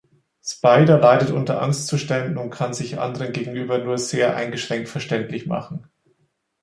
Spider leidet unter Angstzuständen und kann sich anderen gegenüber nur sehr eingeschränkt verständlich machen.